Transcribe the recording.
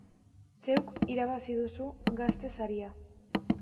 Zeuk irabazi duzu Gaztea saria!